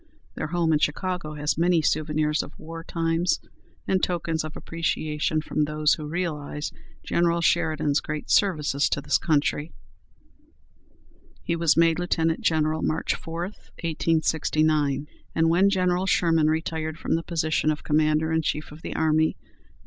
Their home in Chicago has many souvenirs of war times, and tokens of appreciation from those who realize General Sheridan's great services to his country. He was made Lieutenant General, March 4, 1869, and when General Sherman retired from the position of Commander in Chief of the Army, Nov.